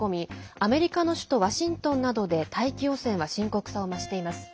アメリカの首都ワシントンなどで大気汚染は深刻さを増しています。